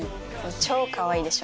超かわいいでしょ？